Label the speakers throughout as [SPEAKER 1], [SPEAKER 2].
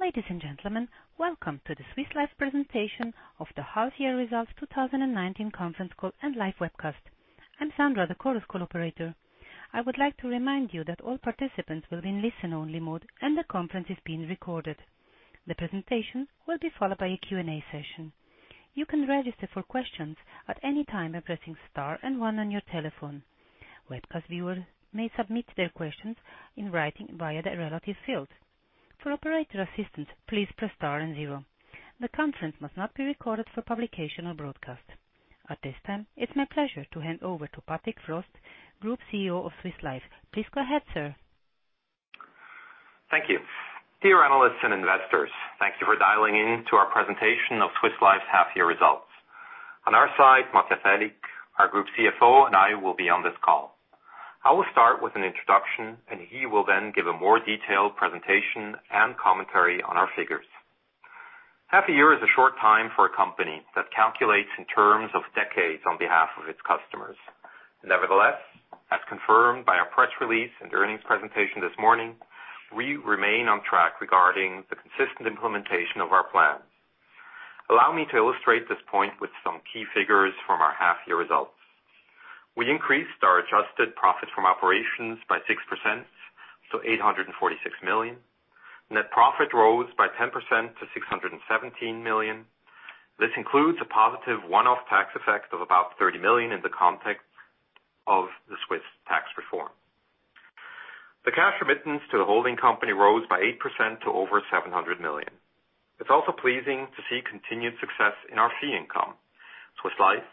[SPEAKER 1] Ladies and gentlemen, welcome to the Swiss Life presentation of the half year results 2019 conference call and live webcast. I'm Sandra, the conference call operator. I would like to remind you that all participants will be in listen-only mode, and the conference is being recorded. The presentation will be followed by a Q&A session. You can register for questions at any time by pressing star and one on your telephone. Webcast viewers may submit their questions in writing via the relative field. For operator assistance, please press star and zero. The conference must not be recorded for publication or broadcast. At this time, it's my pleasure to hand over to Patrick Frost, Group CEO of Swiss Life. Please go ahead, sir.
[SPEAKER 2] Thank you. Dear analysts and investors, thank you for dialing in to our presentation of Swiss Life's half-year results. On our side, Matthias Aellig, our Group CFO, and I will be on this call. I will start with an introduction. He will then give a more detailed presentation and commentary on our figures. Half a year is a short time for a company that calculates in terms of decades on behalf of its customers. Nevertheless, as confirmed by our press release and earnings presentation this morning, we remain on track regarding the consistent implementation of our plans. Allow me to illustrate this point with some key figures from our half-year results. We increased our adjusted profit from operations by 6% to 846 million. Net profit rose by 10% to 617 million. This includes a positive one-off tax effect of about 30 million in the context of the Swiss tax reform. The cash remittance to the holding company rose by 8% to over 700 million. It's also pleasing to see continued success in our fee income. Swiss Life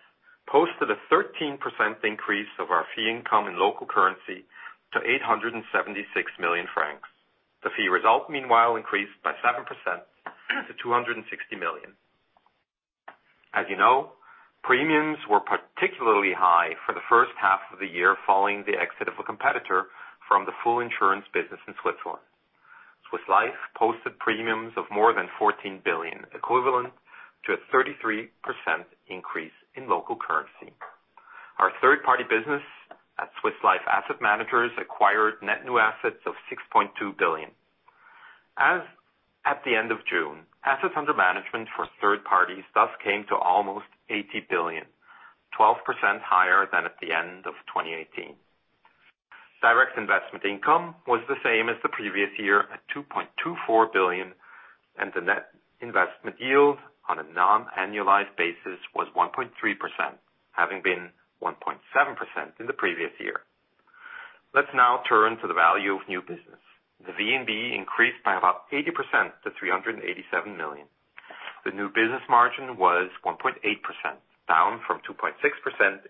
[SPEAKER 2] posted a 13% increase of our fee income in local currency to 876 million francs. The fee result, meanwhile, increased by 7% to 260 million. As you know, premiums were particularly high for the first half of the year following the exit of a competitor from the full insurance business in Switzerland. Swiss Life posted premiums of more than 14 billion, equivalent to a 33% increase in local currency. Our third-party business at Swiss Life Asset Managers acquired net new assets of 6.2 billion. As at the end of June, assets under management for third parties thus came to almost 80 billion, 12% higher than at the end of 2018. Direct investment income was the same as the previous year at 2.24 billion, and the net investment yield on a non-annualized basis was 1.3%, having been 1.7% in the previous year. Let's now turn to the value of new business. The VNB increased by about 80% to 387 million. The new business margin was 1.8%, down from 2.6%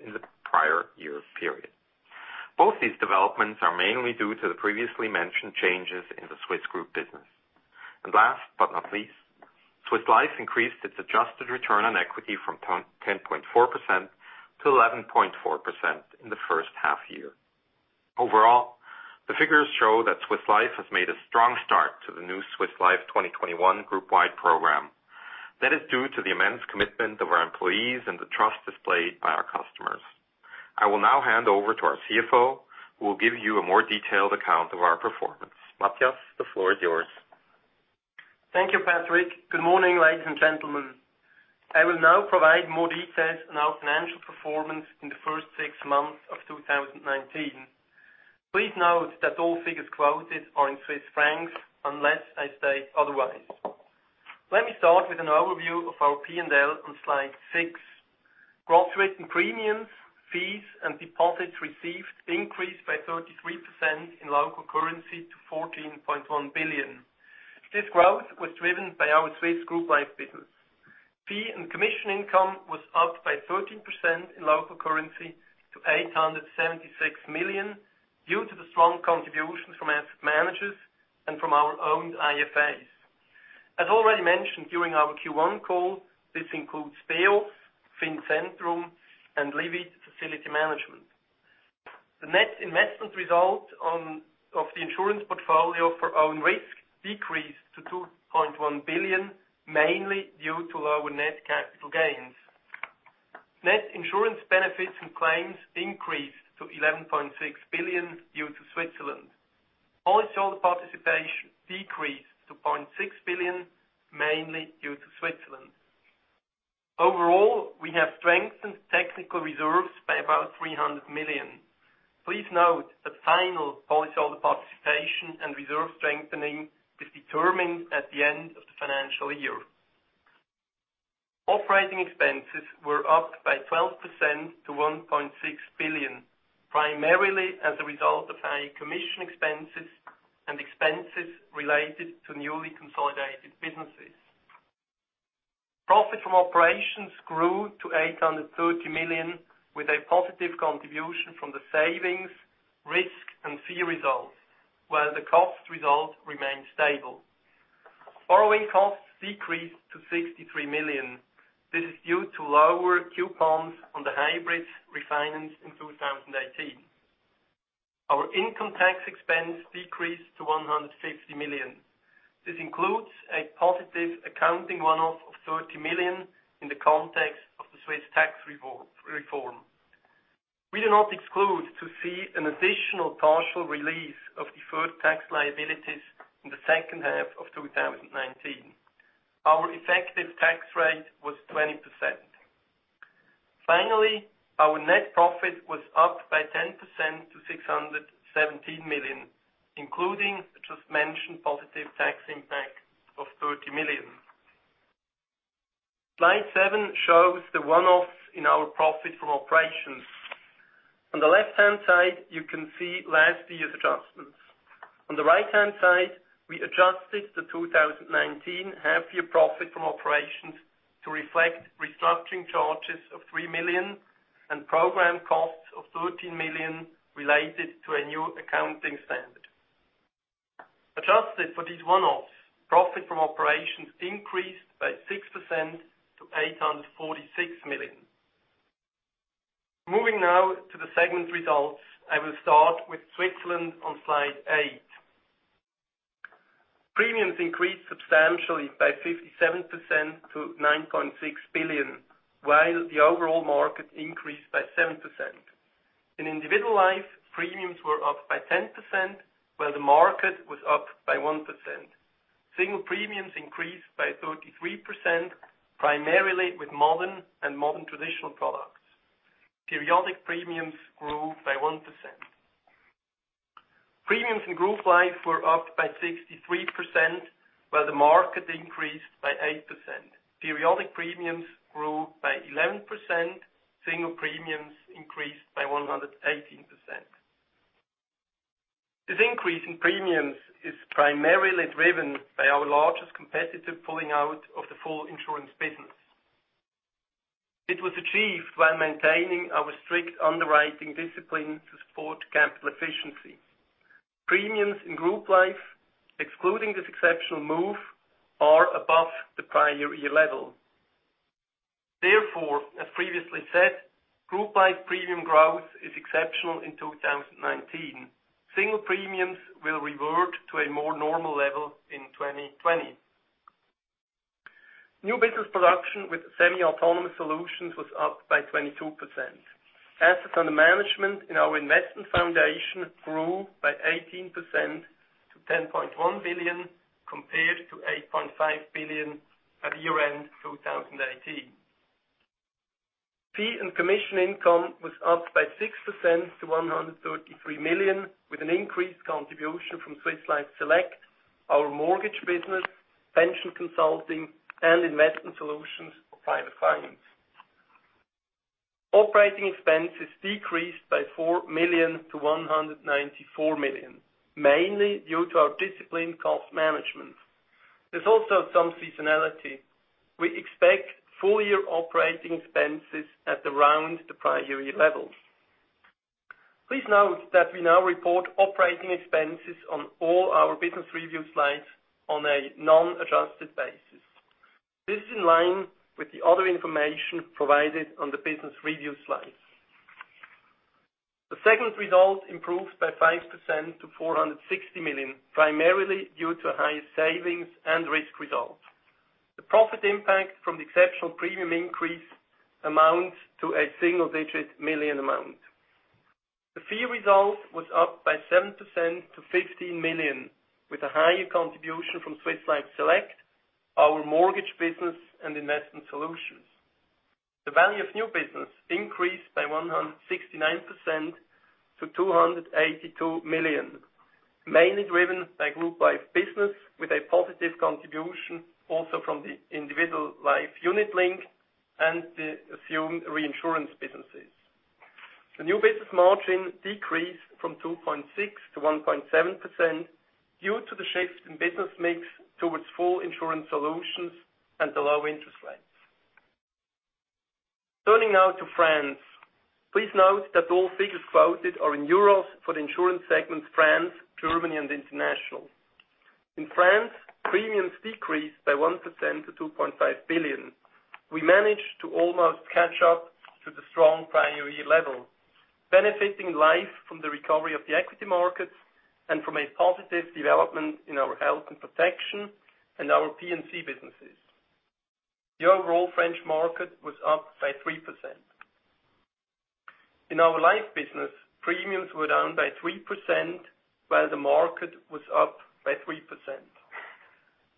[SPEAKER 2] in the prior year period. Both these developments are mainly due to the previously mentioned changes in the Swiss group business. Last but not least, Swiss Life increased its adjusted return on equity from 10.4% to 11.4% in the first half year. Overall, the figures show that Swiss Life has made a strong start to the new Swiss Life 2021 group-wide program. That is due to the immense commitment of our employees and the trust displayed by our customers. I will now hand over to our CFO, who will give you a more detailed account of our performance. Matthias, the floor is yours.
[SPEAKER 3] Thank you, Patrick. Good morning, ladies and gentlemen. I will now provide more details on our financial performance in the first six months of 2019. Please note that all figures quoted are in CHF unless I state otherwise. Let me start with an overview of our P&L on slide six. Growth rate and premiums, fees, and deposits received increased by 33% in local currency to 14.1 billion. This growth was driven by our Swiss group life business. Fee and commission income was up by 13% in local currency to 876 million, due to the strong contributions from Swiss Life Asset Managers and from our own IFAs. As already mentioned during our Q1 call, this includes, [inaudible] Fincentrum, and Livit Facility Management. The net investment result of the insurance portfolio for own risk decreased to 2.1 billion, mainly due to lower net capital gains. Net insurance benefits and claims increased to 11.6 billion due to Switzerland. Policyholder participation decreased to 0.6 billion, mainly due to Switzerland. Overall, we have strengthened technical reserves by about 300 million. Please note that final policyholder participation and reserve strengthening is determined at the end of the financial year. Operating expenses were up by 12% to 1.6 billion, primarily as a result of high commission expenses and expenses related to newly consolidated businesses. Profit from operations grew to 830 million, with a positive contribution from the savings, risk, and fee results, while the cost result remained stable. Borrowing costs decreased to 63 million. This is due to lower coupons on the hybrid refinance in 2018. Our income tax expense decreased to 150 million. This includes a positive accounting one-off of 30 million in the context of the Swiss tax reform. We do not exclude to see an additional partial release of deferred tax liabilities in the second half of 2019. Our effective tax rate was 20%. Finally, our net profit was up by 10% to 617 million, including the just mentioned positive tax impact of 30 million. Slide seven shows the one-offs in our profit from operations. On the left-hand side, you can see last year's adjustments. On the right-hand side, we adjusted the 2019 half-year profit from operations to reflect restructuring charges of 3 million and program costs of 13 million related to a new accounting standard. Adjusted for these one-offs, profit from operations increased by 6% to 846 million. Moving now to the segment results. I will start with Switzerland on slide eight. Premiums increased substantially by 57% to 9.6 billion, while the overall market increased by 7%. In individual life, premiums were up by 10%, while the market was up by 1%. Single premiums increased by 33%, primarily with modern and modern traditional products. Periodic premiums grew by 1%. Premiums in group life were up by 63%, while the market increased by 8%. Periodic premiums grew by 11%. Single premiums increased by 118%. This increase in premiums is primarily driven by our largest competitor pulling out of the full insurance business. It was achieved while maintaining our strict underwriting discipline to support capital efficiency. Premiums in group life, excluding this exceptional move, are above the prior year level. Therefore, as previously said, group life premium growth is exceptional in 2019. Single premiums will revert to a more normal level in 2020. New business production with semi-autonomous solutions was up by 22%. Assets under management in our investment foundation grew by 18% to 10.1 billion, compared to 8.5 billion at year-end 2018. Fee and commission income was up by 6% to 133 million, with an increased contribution from Swiss Life Select, our mortgage business, pension consulting, and investment solutions for private clients. Operating expenses decreased by 4 million to 194 million, mainly due to our disciplined cost management. There's also some seasonality. We expect full-year operating expenses at around the prior year levels. Please note that we now report operating expenses on all our business review slides on a non-adjusted basis. This is in line with the other information provided on the business review slides. The segment result improved by 5% to 460 million, primarily due to higher savings and risk results. The profit impact from the exceptional premium increase amounts to a single-digit million amount. The fee result was up by 7% to 15 million, with a higher contribution from Swiss Life Select, our mortgage business, and investment solutions. The value of new business increased by 169% to 282 million, mainly driven by group life business, with a positive contribution also from the individual life unit-linked and the assumed reinsurance businesses. The new business margin decreased from 2.6% to 1.7% due to the shift in business mix towards full insurance solutions and the low interest rates. Turning now to France. Please note that all figures quoted are in EUR for the insurance segments France, Germany, and International. In France, premiums decreased by 1% to 2.5 billion. We managed to almost catch up to the strong prior year level, benefiting life from the recovery of the equity markets and from a positive development in our health and protection and our P&C businesses. The overall French market was up by 3%. In our life business, premiums were down by 3%, while the market was up by 3%.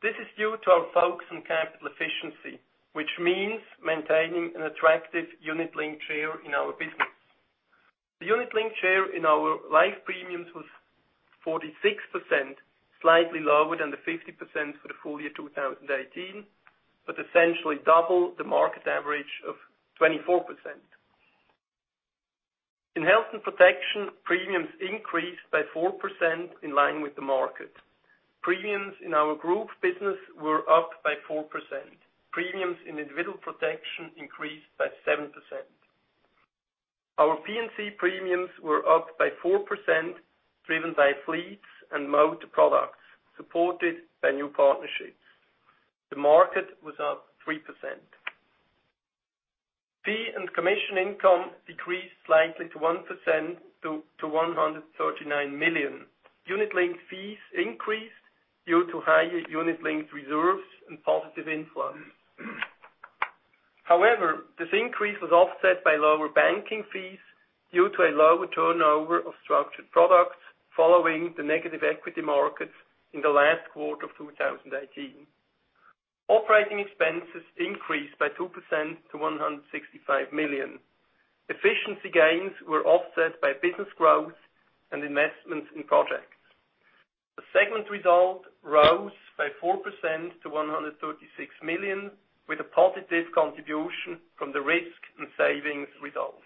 [SPEAKER 3] This is due to our focus on capital efficiency, which means maintaining an attractive unit-linked share in our business. The unit-linked share in our life premiums was 46%, slightly lower than the 50% for the full year 2018, but essentially double the market average of 24%. In health and protection, premiums increased by 4%, in line with the market. Premiums in our group business were up by 4%. Premiums in individual protection increased by 7%. Our P&C premiums were up by 4%, driven by fleets and motor products, supported by new partnerships. The market was up 3%. Fee and commission income decreased slightly to 1% to 139 million. Unit-linked fees increased. Due to higher unit-linked reserves and positive influence. This increase was offset by lower banking fees due to a lower turnover of structured products following the negative equity markets in the last quarter of 2018. Operating expenses increased by 2% to 165 million. Efficiency gains were offset by business growth and investments in projects. The segment result rose by 4% to 136 million, with a positive contribution from the risk and savings results.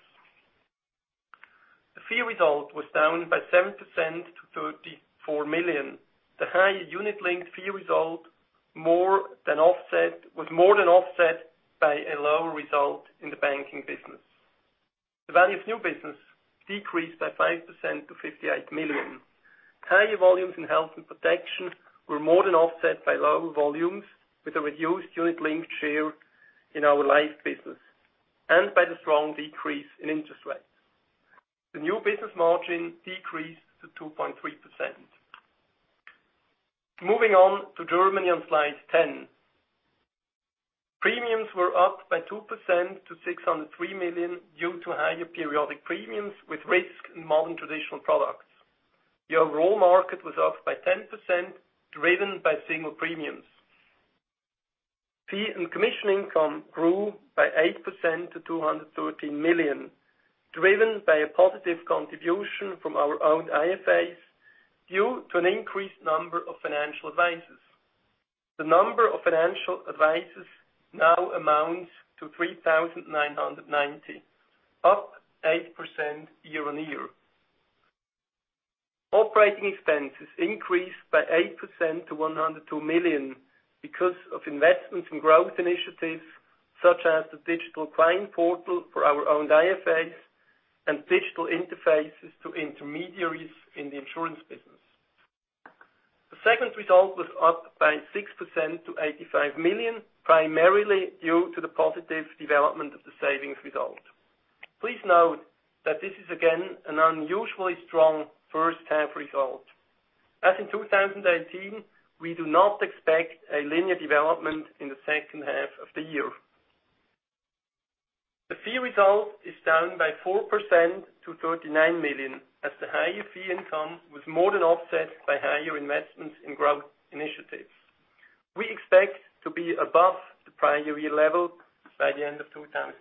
[SPEAKER 3] The fee result was down by 7% to 34 million. The higher unit-linked fee result was more than offset by a lower result in the banking business. The value of new business decreased by 5% to 58 million. Higher volumes in health and protection were more than offset by lower volumes, with a reduced unit-linked share in our life business, and by the strong decrease in interest rates. The new business margin decreased to 2.3%. Moving on to Germany on slide 10. Premiums were up by 2% to 603 million due to higher periodic premiums with risk in modern traditional products. The overall market was up by 10%, driven by single premiums. Fee and commission income grew by 8% to 213 million, driven by a positive contribution from our own IFAs due to an increased number of financial advisors. The number of financial advisors now amounts to 3,990, up 8% year-on-year. Operating expenses increased by 8% to 102 million because of investments in growth initiatives such as the digital client portal for our own IFAs and digital interfaces to intermediaries in the insurance business. The segment result was up by 6% to 85 million, primarily due to the positive development of the savings result. Please note that this is again an unusually strong first half result. As in 2018, we do not expect a linear development in the second half of the year. The fee result is down by 4% to 39 million, as the higher fee income was more than offset by higher investments in growth initiatives. We expect to be above the prior year level by the end of 2019.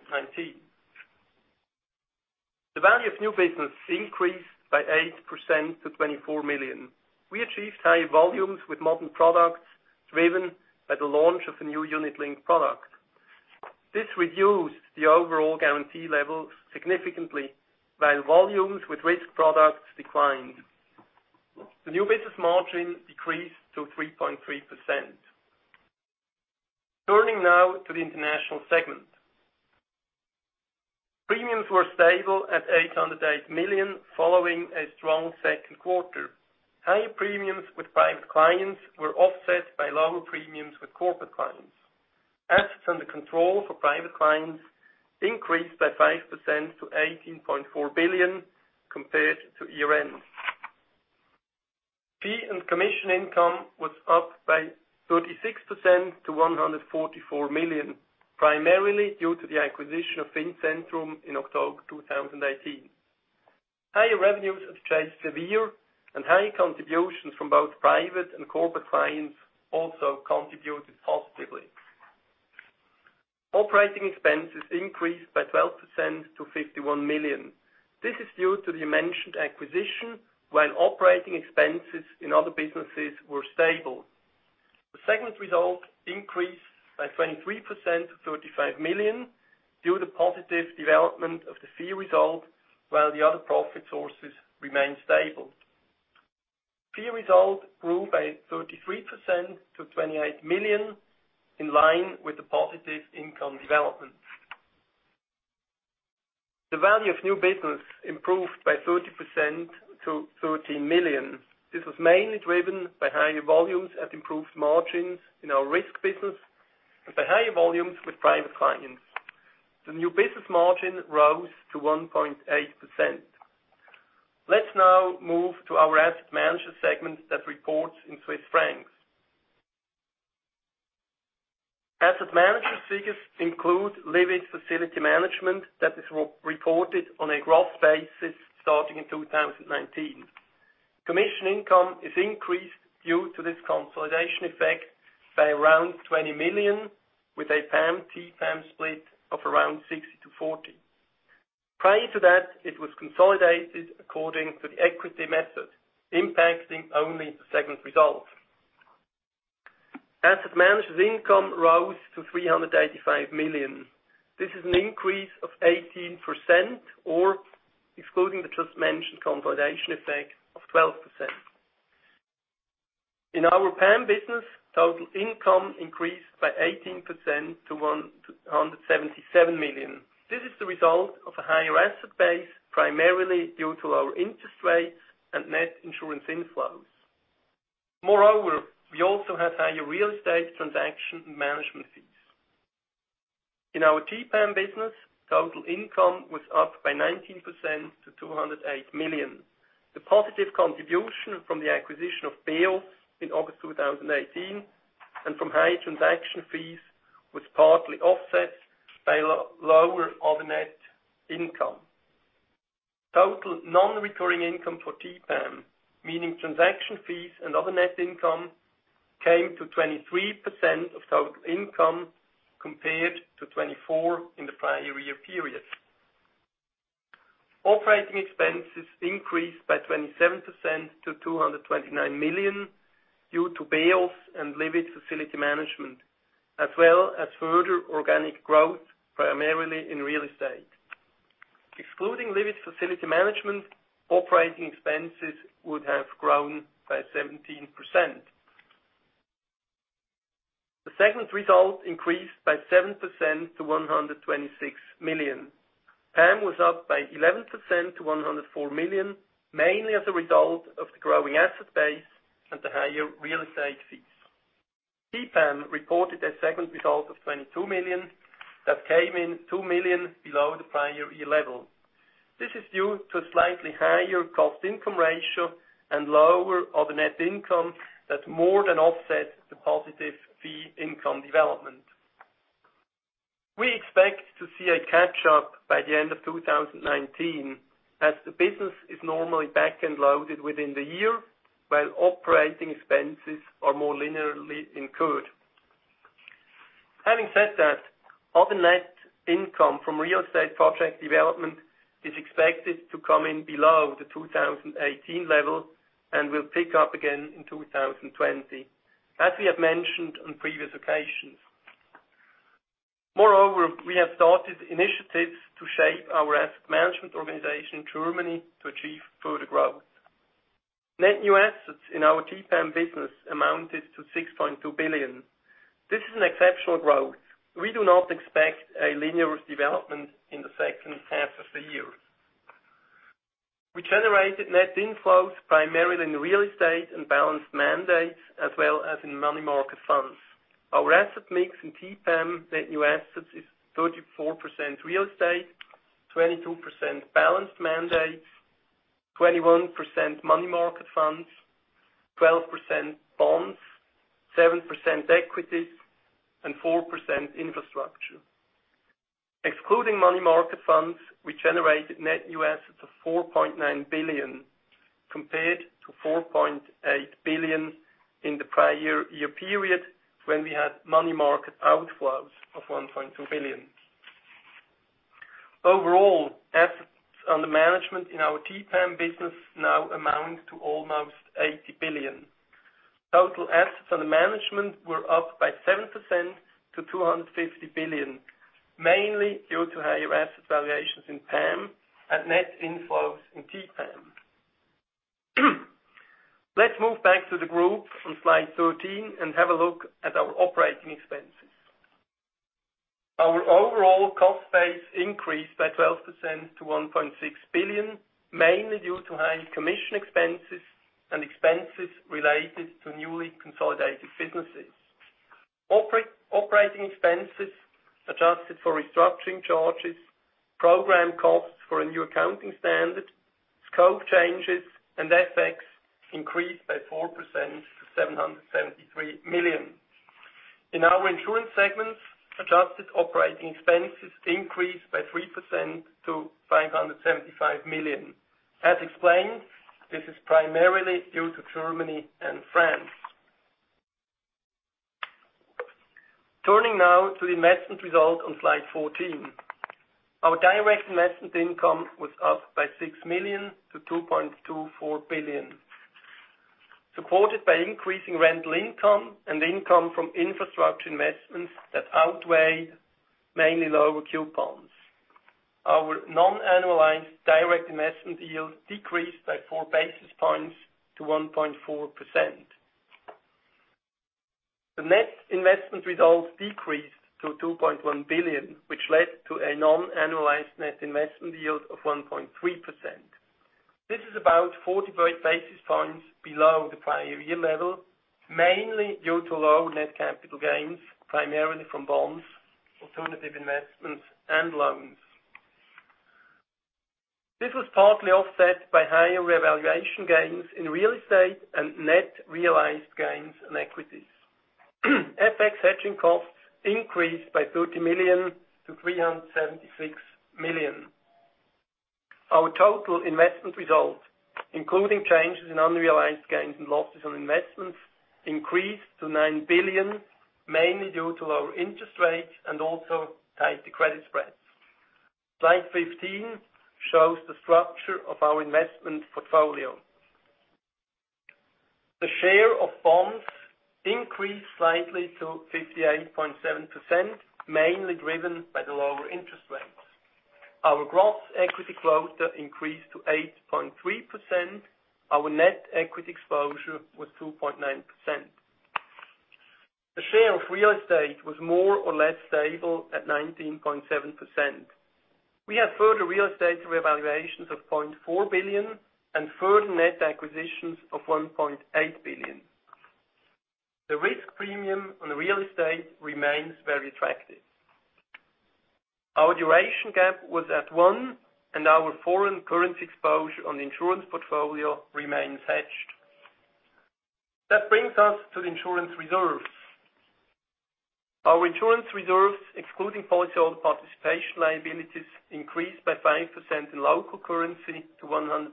[SPEAKER 3] The value of new business increased by 8% to 24 million. We achieved higher volumes with modern products driven by the launch of a new unit-linked product. This reduced the overall guarantee levels significantly, while volumes with risk products declined. The new business margin decreased to 3.3%. Turning now to the international segment. Premiums were stable at 808 million, following a strong second quarter. Higher premiums with private clients were offset by lower premiums with corporate clients. Assets under control for private clients increased by 5% to 18.4 billion compared to year end. Fee and commission income was up by 36% to 144 million, primarily due to the acquisition of Fincentrum in October 2018. Higher revenues at Chase de Vere and higher contributions from both private and corporate clients also contributed positively. Operating expenses increased by 12% to 51 million. This is due to the mentioned acquisition, while operating expenses in other businesses were stable. The segment result increased by 23% to 35 million due to the positive development of the fee result, while the other profit sources remained stable. Fee result grew by 33% to 28 million, in line with the positive income development. The value of new business improved by 30% to 13 million. This was mainly driven by higher volumes and improved margins in our risk business and by higher volumes with private clients. The new business margin rose to 1.8%. Let's now move to our Asset Managers segment that reports in CHF. Asset Managers figures include Livit Facility Management that is reported on a gross basis starting in 2019. Commission income is increased due to this consolidation effect by around 20 million, with a PAM, TPAM split of around 60/40. Prior to that, it was consolidated according to the equity method, impacting only the segment result. Asset Management income rose to 385 million. This is an increase of 18%, or excluding the just mentioned consolidation effect of 12%. In our PAM business, total income increased by 18% to 177 million. This is the result of a higher asset base, primarily due to our interest rates and net insurance inflows. Moreover, we also have higher real estate transaction and management fees. In our TPAM business, total income was up by 19% to 208 million. The positive contribution from the acquisition of BEOS in 2018, and from high transaction fees was partly offset by lower other net income. Total non-recurring income for TPAM, meaning transaction fees and other net income, came to 23% of total income, compared to 24% in the prior year period. Operating expenses increased by 27% to 229 million, due to BEOS and Livit Facility Management, as well as further organic growth, primarily in real estate. Excluding Livit Facility Management, operating expenses would have grown by 17%. The segment result increased by 7% to 126 million. PAM was up by 11% to 104 million, mainly as a result of the growing asset base and the higher real estate fees. TPAM reported a segment result of 22 million that came in 2 million below the prior year level. This is due to a slightly higher cost income ratio and lower other net income that more than offset the positive fee income development. We expect to see a catch-up by the end of 2019, as the business is normally back-end loaded within the year, while operating expenses are more linearly incurred. Having said that, other net income from real estate project development is expected to come in below the 2018 level and will pick up again in 2020, as we have mentioned on previous occasions. We have started initiatives to shape our asset management organization in Germany to achieve further growth. Net new assets in our TPAM business amounted to 6.2 billion. This is an exceptional growth. We do not expect a linear development in the second half of the year. We generated net inflows primarily in the real estate and balanced mandates, as well as in money market funds. Our asset mix in TPAM net new assets is 34% real estate, 22% balanced mandates, 21% money market funds, 12% bonds, 7% equities, and 4% infrastructure. Excluding money market funds, we generated net new assets of 4.9 billion compared to 4.8 billion in the prior year period, when we had money market outflows of 1.2 billion. Overall, assets under management in our TPAM business now amount to almost 80 billion. Total assets under management were up by 7% to 250 billion, mainly due to higher asset valuations in PAM and net inflows in TPAM. Let's move back to the group on slide 13 and have a look at our operating expenses. Our overall cost base increased by 12% to 1.6 billion, mainly due to high commission expenses and expenses related to newly consolidated businesses. Operating expenses, adjusted for restructuring charges, program costs for a new accounting standard, scope changes, and FX increased by 4% to 773 million. In our insurance segments, adjusted operating expenses increased by 3% to 575 million. As explained, this is primarily due to Germany and France. Turning now to investment results on slide 14. Our direct investment income was up by 6 million to 2.24 billion, supported by increasing rental income and income from infrastructure investments that outweigh mainly lower coupons. Our non-annualized direct investment yield decreased by four basis points to 1.4%. The net investment results decreased to 2.1 billion, which led to a non-annualized net investment yield of 1.3%. This is about 40 basis points below the prior year level, mainly due to low net capital gains, primarily from bonds, alternative investments, and loans. This was partly offset by higher revaluation gains in real estate and net realized gains in equities. FX hedging costs increased by 30 million to 376 million. Our total investment results, including changes in unrealized gains and losses on investments, increased to 9 billion, mainly due to lower interest rates and also tighter credit spreads. Slide 15 shows the structure of our investment portfolio. The share of bonds increased slightly to 58.7%, mainly driven by the lower interest rates. Our gross equity exposure increased to 8.3%. Our net equity exposure was 2.9%. The share of real estate was more or less stable at 19.7%. We have further real estate revaluations of 0.4 billion and further net acquisitions of 1.8 billion. The risk premium on real estate remains very attractive. Our duration gap was at one, and our foreign currency exposure on the insurance portfolio remains hedged. That brings us to the insurance reserves. Our insurance reserves, excluding policyholder participation liabilities, increased by 5% in local currency to 165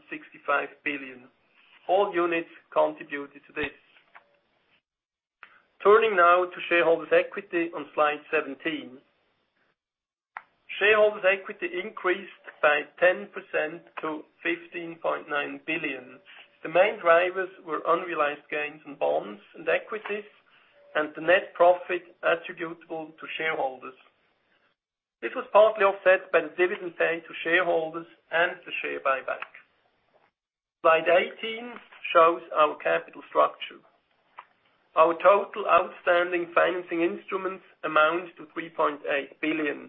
[SPEAKER 3] billion. All units contributed to this. Turning now to shareholders' equity on slide 17. Shareholders' equity increased by 10% to 15.9 billion. The main drivers were unrealized gains on bonds and equities and the net profit attributable to shareholders. This was partly offset by the dividend paid to shareholders and the share buyback. Slide 18 shows our capital structure. Our total outstanding financing instruments amount to 3.8 billion.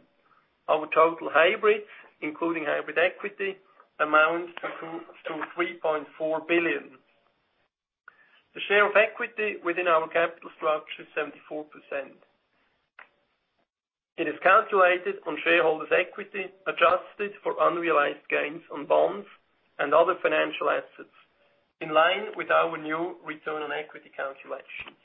[SPEAKER 3] Our total hybrids, including hybrid equity, amount to 3.4 billion. The share of equity within our capital structure is 74%. It is calculated on shareholders' equity, adjusted for unrealized gains on bonds and other financial assets, in line with our new return on equity calculations.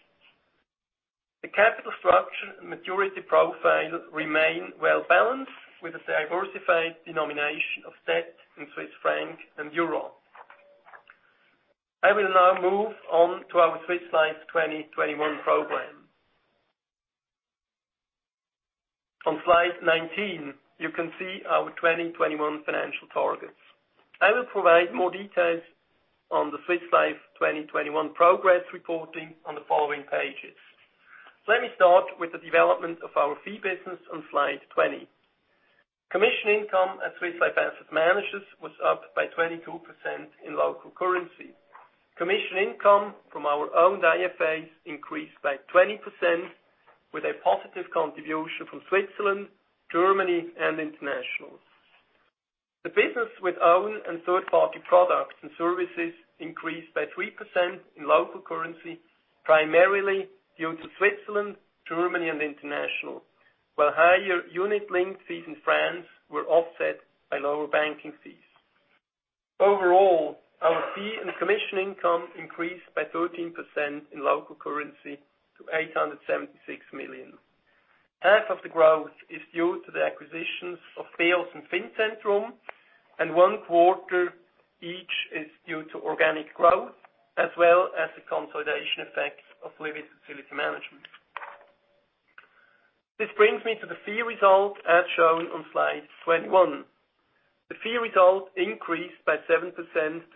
[SPEAKER 3] The capital structure and maturity profile remain well-balanced, with a diversified denomination of debt in CHF and EUR. I will now move on to our Swiss Life 2021 program. On slide 19, you can see our 2021 financial targets. I will provide more details on the Swiss Life 2021 progress reporting on the following pages. Let me start with the development of our fee business on slide 20. Commission income at Swiss Life Asset Managers was up by 22% in local currency. Commission income from our own IFAs increased by 20%, with a positive contribution from Switzerland, Germany, and international. The business with own and third-party products and services increased by 3% in local currency, primarily due to Switzerland, Germany, and International. While higher unit-linked fees in France were offset by lower banking fees. Overall, our fee and commission income increased by 13% in local currency to 876 million. Half of the growth is due to the acquisitions of BEOS and Fincentrum, and one quarter each is due to organic growth, as well as the consolidation effect of Livit Facility Management. This brings me to the fee result, as shown on slide 21. The fee result increased by 7%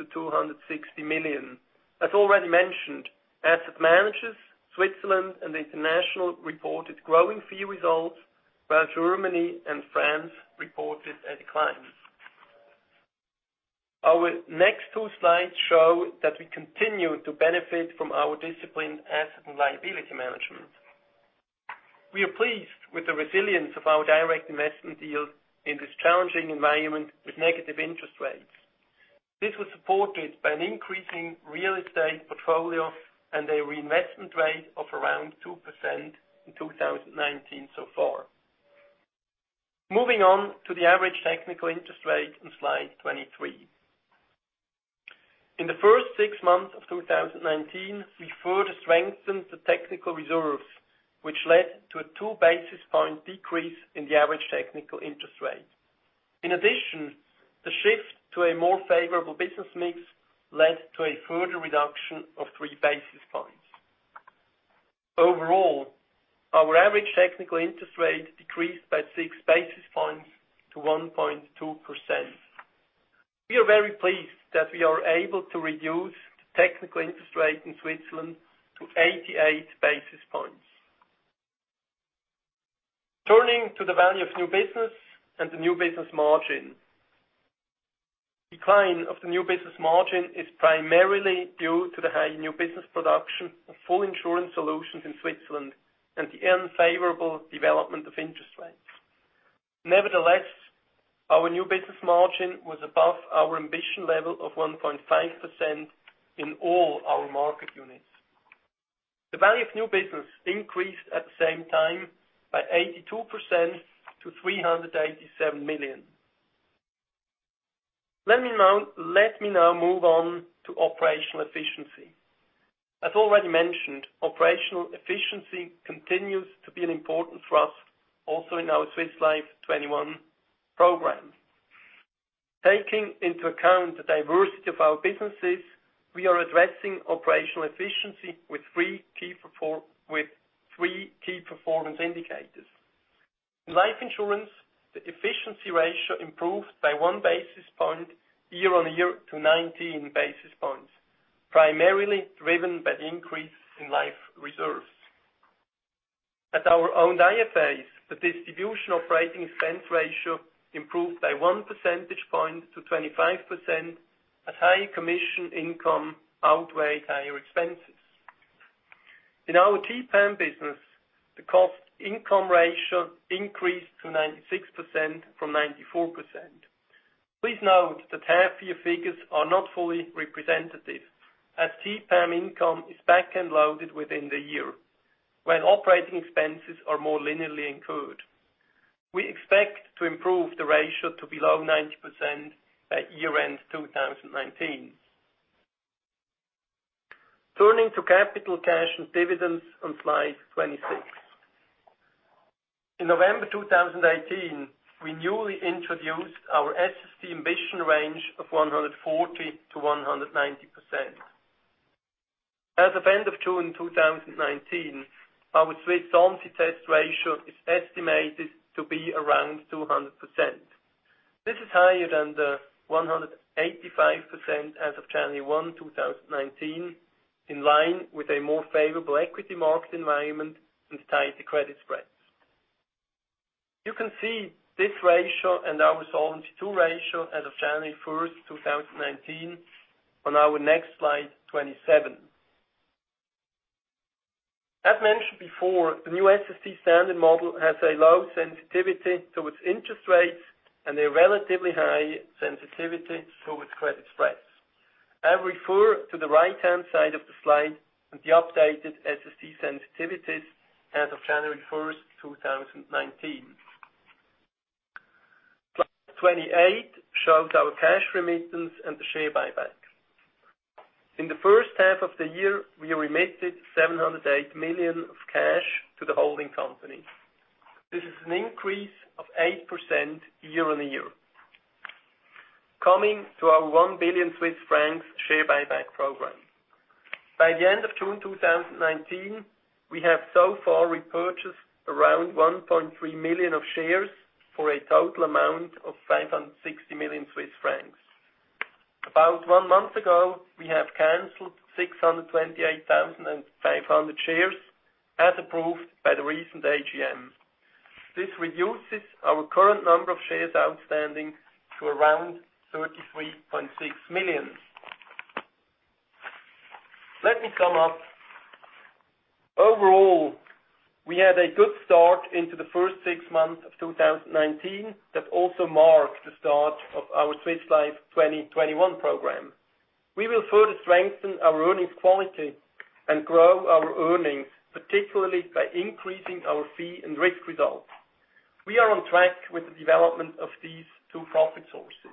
[SPEAKER 3] to 260 million. As already mentioned, Asset Managers Switzerland and International reported growing fee results, while Germany and France reported a decline. Our next two slides show that we continue to benefit from our disciplined asset and liability management. We are pleased with the resilience of our direct investment deals in this challenging environment with negative interest rates. This was supported by an increasing real estate portfolio and a reinvestment rate of around 2% in 2019 so far. Moving on to the average technical interest rate on slide 23. In the first six months of 2019, we further strengthened the technical reserves, which led to a two-basis-point decrease in the average technical interest rate. In addition, the shift to a more favorable business mix led to a further reduction of three basis points. Overall, our average technical interest rate decreased by six basis points to 1.2%. We are very pleased that we are able to reduce the technical interest rate in Switzerland to 88 basis points. Turning to the value of new business and the new business margin. Decline of the new business margin is primarily due to the high new business production of full insurance solutions in Switzerland and the unfavorable development of interest rates. Nevertheless, our new business margin was above our ambition level of 1.5% in all our market units. The value of new business increased at the same time by 82% to 387 million. Let me now move on to operational efficiency. As already mentioned, operational efficiency continues to be an important thrust also in our Swiss Life 2021 program. Taking into account the diversity of our businesses, we are addressing operational efficiency with three key performance indicators. In life insurance, the efficiency ratio improved by one basis point year-on-year to 19 basis points, primarily driven by the increase in life reserves. At our own IFAs, the distribution operating expense ratio improved by one percentage point to 25% as high commission income outweighed higher expenses. In our GPEM business, the cost-income ratio increased to 96% from 94%. Please note that half-year figures are not fully representative, as TPAM income is back-end loaded within the year, when operating expenses are more linearly incurred. We expect to improve the ratio to below 90% at year-end 2019. Turning to capital cash and dividends on slide 26. In November 2018, we newly introduced our SST ambition range of 140%-190%. As of end of June 2019, our Swiss Solvency Test ratio is estimated to be around 200%. This is higher than the 185% as of January 1, 2019, in line with a more favorable equity market environment and tighter credit spreads. You can see this ratio and our Solvency II ratio as of January 1st, 2019, on our next slide 27. As mentioned before, the new SST standard model has a low sensitivity towards interest rates and a relatively high sensitivity towards credit spreads. I refer to the right-hand side of the slide and the updated SST sensitivities as of January 1st, 2019. Slide 28 shows our cash remittance and the share buyback. In the first half of the year, we remitted 708 million of cash to the holding company. This is an increase of 8% year-on-year. Coming to our 1 billion Swiss francs share buyback program. By the end of June 2019, we have so far repurchased around 1.3 million of shares for a total amount of 560 million Swiss francs. About one month ago, we have canceled 628,500 shares as approved by the recent AGM. This reduces our current number of shares outstanding to around 33.6 million. Let me sum up. Overall, we had a good start into the first six months of 2019, that also marked the start of our Swiss Life 2021 program. We will further strengthen our earnings quality and grow our earnings, particularly by increasing our fee and risk results. We are on track with the development of these two profit sources.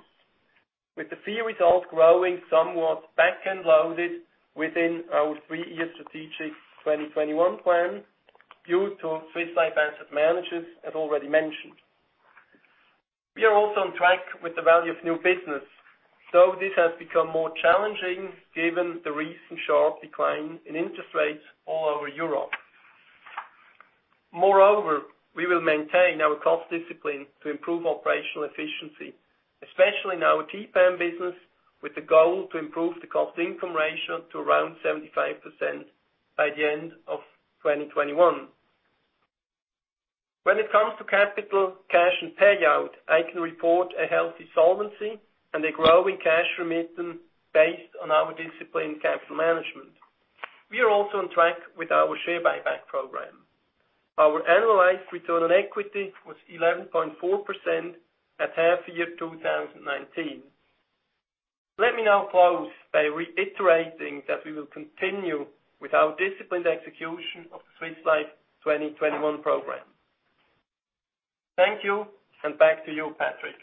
[SPEAKER 3] With the fee results growing somewhat back-end loaded within our three-year strategic 2021 plan due to Swiss Life Asset Managers, as already mentioned. We are also on track with the value of new business, though this has become more challenging given the recent sharp decline in interest rates all over Europe. Moreover, we will maintain our cost discipline to improve operational efficiency, especially in our TPAM business, with the goal to improve the cost income ratio to around 75% by the end of 2021. When it comes to capital cash and payout, I can report a healthy solvency and a growing cash remittance based on our disciplined capital management. We are also on track with our share buyback program. Our annualized return on equity was 11.4% at half year 2019. Let me now close by reiterating that we will continue with our disciplined execution of the Swiss Life 2021 program. Thank you, and back to you, Patrick.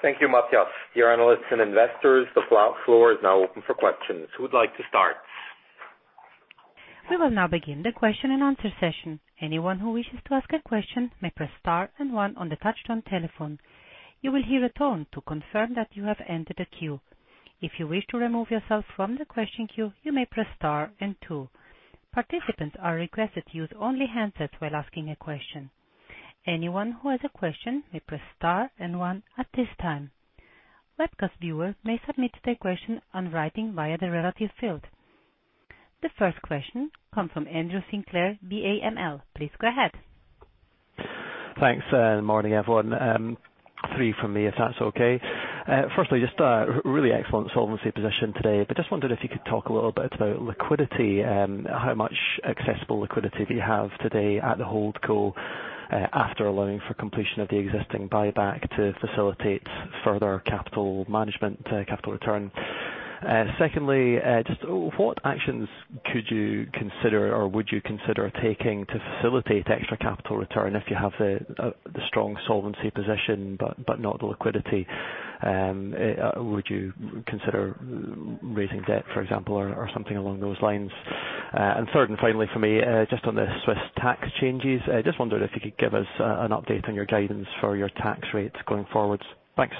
[SPEAKER 2] Thank you, Matthias. Dear analysts and investors, the floor is now open for questions. Who would like to start?
[SPEAKER 1] We will now begin the question and answer session. Anyone who wishes to ask a question may press star and one on the touch-tone telephone. You will hear a tone to confirm that you have entered the queue. If you wish to remove yourself from the question queue, you may press star and two. Participants are requested to use only handsets while asking a question. Anyone who has a question may press star and one at this time. Webcast viewers may submit their question on writing via the relative field. The first question comes from Andrew Sinclair, BAML. Please go ahead.
[SPEAKER 4] Thanks. Morning, everyone. Three from me, if that's okay. Firstly, just really excellent solvency position today. Just wondered if you could talk a little bit about liquidity, how much accessible liquidity do you have today at the HoldCo, after allowing for completion of the existing buyback to facilitate further capital management, capital return? Secondly, just what actions could you consider or would you consider taking to facilitate extra capital return if you have the strong solvency position but not the liquidity? Would you consider raising debt, for example, or something along those lines? Third and finally from me, just on the Swiss tax changes. Just wondered if you could give us an update on your guidance for your tax rates going forwards. Thanks.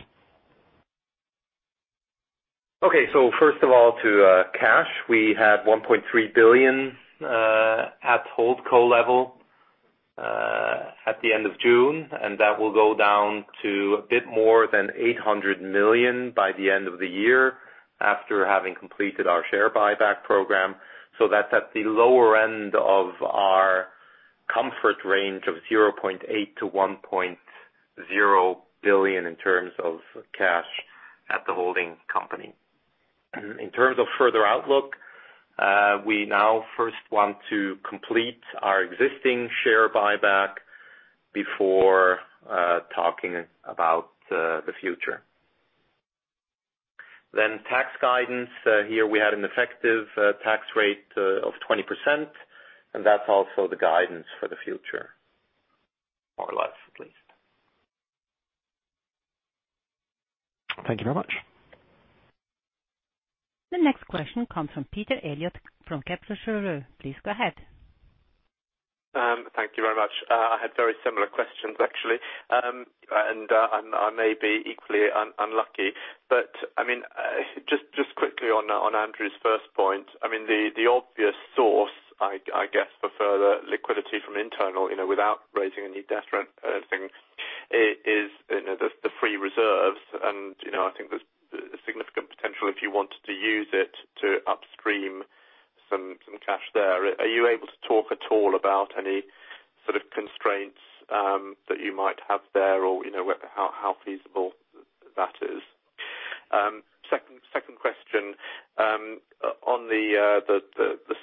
[SPEAKER 2] First of all, to cash, we had 1.3 billion at HoldCo level at the end of June, and that will go down to a bit more than 800 million by the end of the year after having completed our share buyback program. That's at the lower end of our comfort range of 0.8 billion-1.0 billion in terms of cash at the holding company. In terms of further outlook, we now first want to complete our existing share buyback before talking about the future. Tax guidance. Here we had an effective tax rate of 20%, and that's also the guidance for the future, more or less at least.
[SPEAKER 4] Thank you very much.
[SPEAKER 1] The next question comes from Peter Eliot from Kepler Cheuvreux. Please go ahead.
[SPEAKER 5] Thank you very much. I had very similar questions, actually. I may be equally unlucky. Just quickly on Andrew's first point, the obvious source, I guess, for further liquidity from internal, without raising any debt or anything, is the free reserves. I think there's a significant potential if you wanted to use it to upstream some cash there. Are you able to talk at all about any sort of constraints that you might have there or how feasible that is? Second question. On the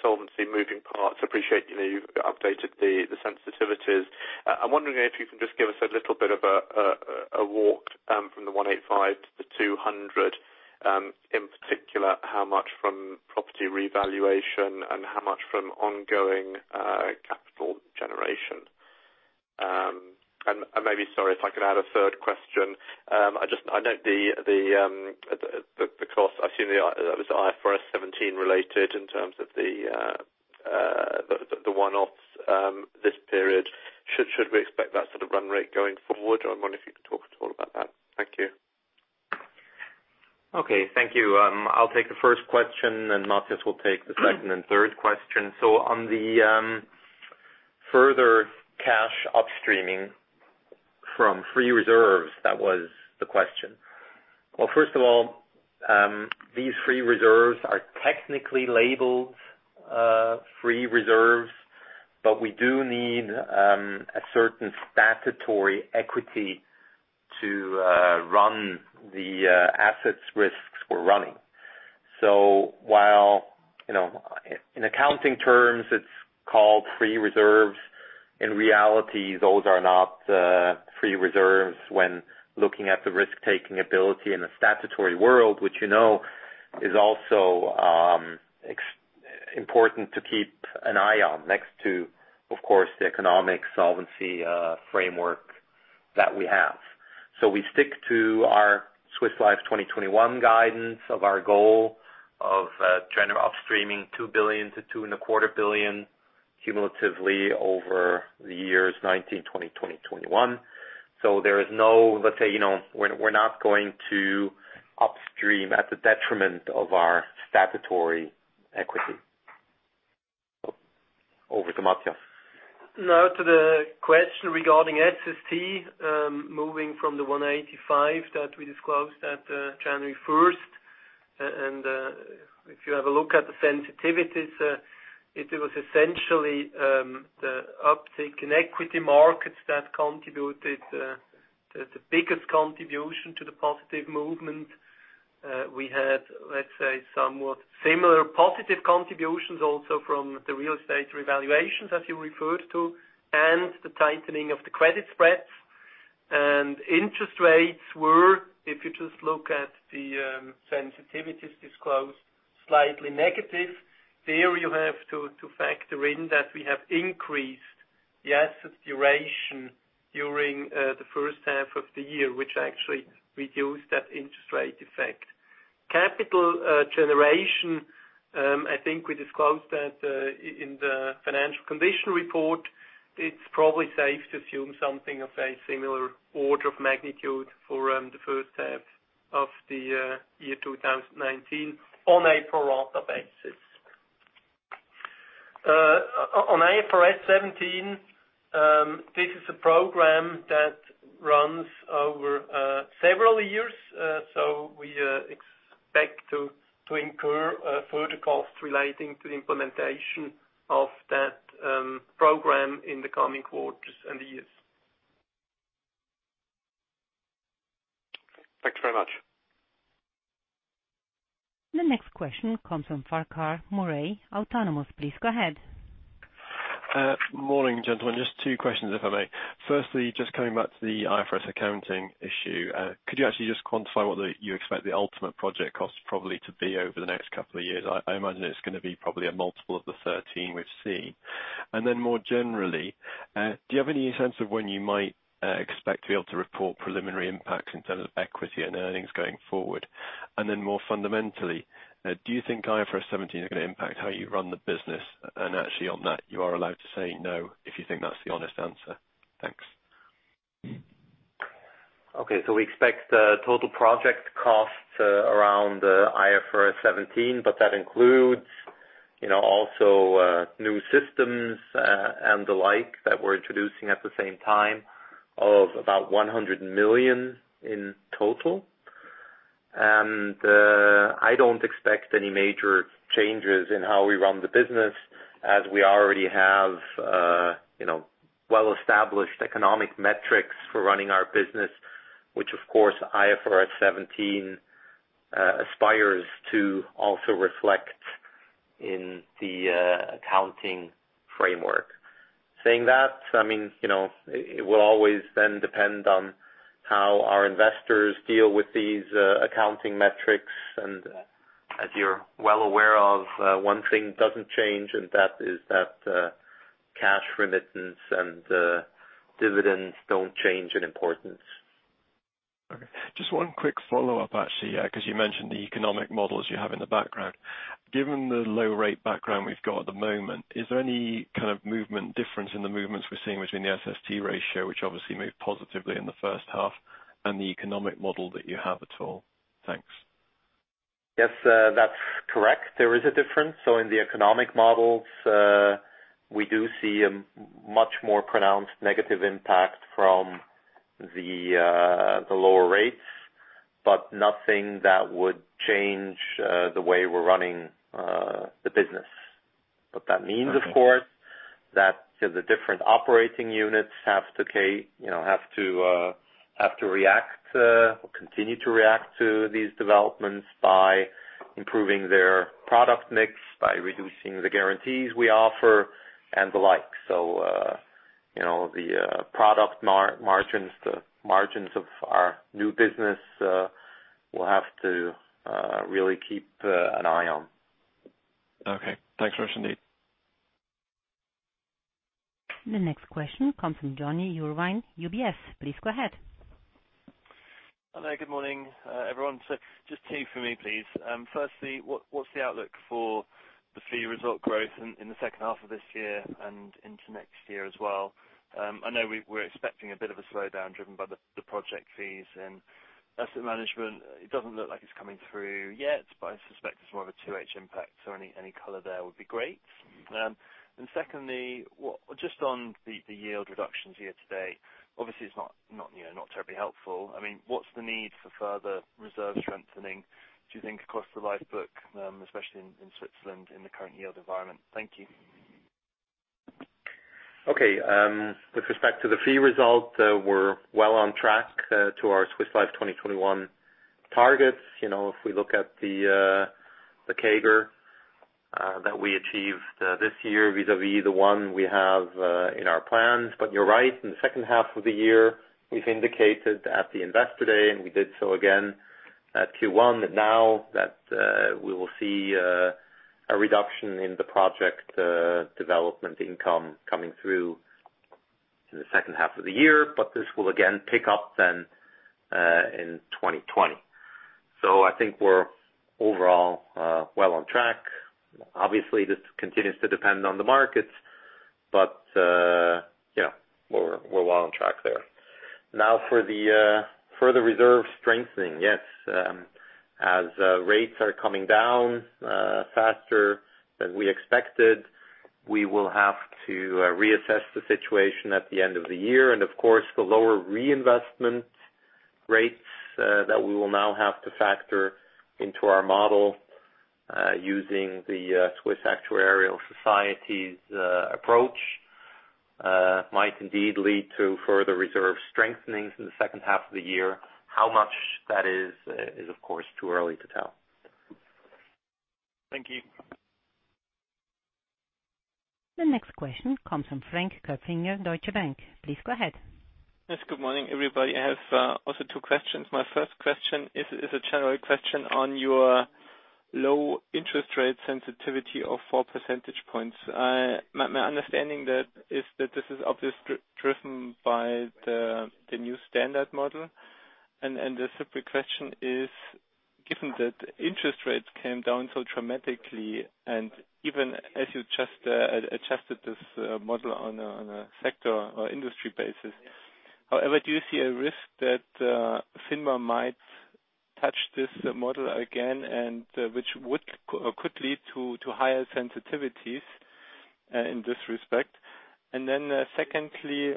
[SPEAKER 5] solvency moving parts, appreciate you've updated the sensitivities. I'm wondering if you can just give us a little bit of a walk from the 185 to the 200. In particular, how much from property revaluation and how much from ongoing capital generation. Maybe, sorry, if I could add a third question. I note the cost, I assume that was IFRS 17 related in terms of the one-offs this period. Should we expect that sort of run rate going forward? I wonder if you could talk at all about that. Thank you.
[SPEAKER 2] Okay. Thank you. I'll take the first question, and Matthias will take the second and third question. On the further cash upstreaming from free reserves, that was the question. Well, first of all, these free reserves are technically labeled free reserves, but we do need a certain statutory equity to run the assets risks we're running. While in accounting terms it's called free reserves, in reality, those are not free reserves when looking at the risk-taking ability in a statutory world, which you know is also important to keep an eye on next to, of course, the economic solvency framework that we have. We stick to our Swiss Life 2021 guidance of our goal of trending upstreaming 2 billion to two and a quarter billion cumulatively over the years 2019, 2020, 2021. There is let's say, we're not going to upstream at the detriment of our statutory equity. Over to Matthias.
[SPEAKER 3] To the question regarding SST, moving from the 185 that we disclosed at January 1st. If you have a look at the sensitivities, it was essentially the uptick in equity markets that contributed the biggest contribution to the positive movement. We had, let's say, somewhat similar positive contributions also from the real estate revaluations as you referred to, and the tightening of the credit spreads. Interest rates were, if you just look at the sensitivities disclosed, slightly negative. There you have to factor in that we have increased the assets duration during the first half of the year, which actually reduced that interest rate effect. Capital generation, I think we disclosed that in the financial condition report. It's probably safe to assume something of a similar order of magnitude for the first half of the year 2019 on a pro rata basis. On IFRS 17, this is a program that runs over several years. We expect to incur further costs relating to the implementation of that program in the coming quarters and years.
[SPEAKER 5] Thanks very much.
[SPEAKER 1] The next question comes from Farquhar Murray, Autonomous. Please go ahead.
[SPEAKER 6] Morning, gentlemen. Just two questions, if I may. Firstly, just coming back to the IFRS accounting issue. Could you actually just quantify what you expect the ultimate project cost probably to be over the next couple of years? I imagine it's going to be probably a multiple of the 13 we've seen. More generally, do you have any sense of when you might expect to be able to report preliminary impacts in terms of equity and earnings going forward? More fundamentally, do you think IFRS 17 is going to impact how you run the business? On that, you are allowed to say no if you think that's the honest answer. Thanks.
[SPEAKER 2] We expect total project costs around IFRS 17, but that includes also new systems, and the like that we're introducing at the same time of about 100 million in total. I don't expect any major changes in how we run the business as we already have well-established economic metrics for running our business. Which of course IFRS 17 aspires to also reflect in the accounting framework. Saying that, it will always then depend on how our investors deal with these accounting metrics. As you're well aware of, one thing doesn't change, and that is that cash remittance and dividends don't change in importance.
[SPEAKER 6] Okay. Just one quick follow-up, actually, because you mentioned the economic models you have in the background. Given the low rate background we've got at the moment, is there any kind of movement difference in the movements we're seeing between the SST ratio, which obviously moved positively in the first half, and the economic model that you have at all? Thanks.
[SPEAKER 2] Yes, that's correct. There is a difference. In the economic models, we do see a much more pronounced negative impact from the lower rates, but nothing that would change the way we're running the business. What that means, of course.
[SPEAKER 6] Okay
[SPEAKER 2] that the different operating units have to react or continue to react to these developments by improving their product mix, by reducing the guarantees we offer and the like. The product margins, the margins of our new business, we'll have to really keep an eye on.
[SPEAKER 6] Okay. Thanks very much indeed.
[SPEAKER 1] The next question comes from Jonny Urwin, UBS. Please go ahead.
[SPEAKER 7] Hello, good morning, everyone. Just two for me, please. Firstly, what's the outlook for the fee result growth in the second half of this year and into next year as well? I know we're expecting a bit of a slowdown driven by the project fees and asset management. It doesn't look like it's coming through yet, but I suspect it's more of a 2H impact. Any color there would be great. Secondly, just on the yield reductions here today. Obviously it's not terribly helpful. What's the need for further reserve strengthening, do you think, across the Life book, especially in Switzerland in the current yield environment? Thank you.
[SPEAKER 2] With respect to the fee result, we're well on track to our Swiss Life 2021 targets. If we look at the CAGR that we achieved this year vis-a-vis the one we have in our plans. You're right, in the second half of the year, we've indicated at the Investor Day, and we did so again at Q1, that now that we will see a reduction in the project development income coming through in the second half of the year. This will again pick up then in 2020. I think we're overall well on track. Obviously, this continues to depend on the markets, but we're well on track there. For the further reserve strengthening. As rates are coming down faster than we expected, we will have to reassess the situation at the end of the year. Of course, the lower reinvestment rates that we will now have to factor into our model using the Swiss Association of Actuaries' approach might indeed lead to further reserve strengthening through the second half of the year. How much that is, of course, too early to tell.
[SPEAKER 7] Thank you.
[SPEAKER 1] The next question comes from Frank Kopfinger, Deutsche Bank. Please go ahead.
[SPEAKER 8] Yes. Good morning, everybody. I have also two questions. My first question is a general question on your low interest rate sensitivity of 4 percentage points. My understanding is that this is obviously driven by the new standard model. The separate question is, given that interest rates came down so dramatically and even as you just adjusted this model on a sector or industry basis, however, do you see a risk that FINMA might touch this model again and which could lead to higher sensitivities in this respect? Then secondly,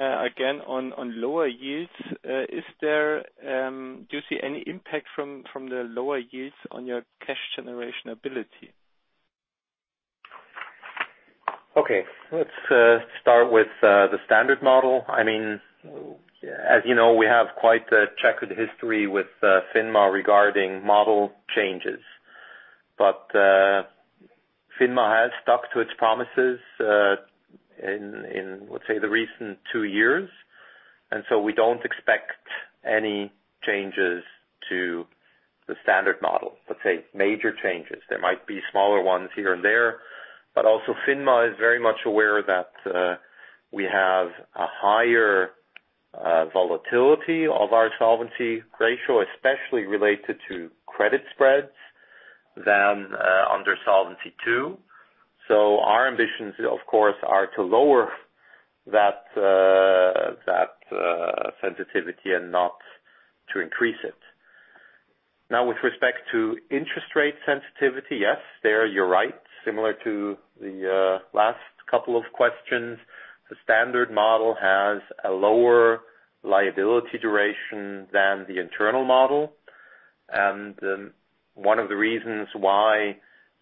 [SPEAKER 8] again, on lower yields, do you see any impact from the lower yields on your cash generation ability?
[SPEAKER 2] Okay. Let's start with the standard model. As you know, we have quite a checkered history with FINMA regarding model changes. FINMA has stuck to its promises in, let's say, the recent two years. We don't expect any changes to the standard model. Let's say major changes. There might be smaller ones here and there. Also, FINMA is very much aware that we have a higher volatility of our solvency ratio, especially related to credit spreads than under Solvency II. Our ambitions, of course, are to lower that sensitivity and not to increase it. Now, with respect to interest rate sensitivity, yes, there you're right. Similar to the last couple of questions, the standard model has a lower liability duration than the internal model. One of the reasons why